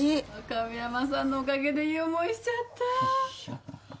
亀山さんのおかげでいい思いしちゃった。